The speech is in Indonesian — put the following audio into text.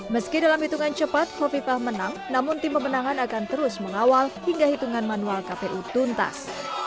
meski dalam hitungan cepat kofifah menang namun tim pemenangan akan terus mengawal hingga hitungan manual kpu tuntas